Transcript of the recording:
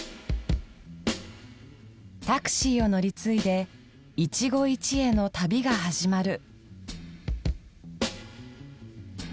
タクシーを乗り継いで一期一会の旅が始まる。